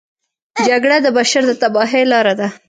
جګړه د بشر د تباهۍ لاره ده